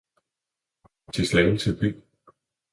Til Slagelse by –!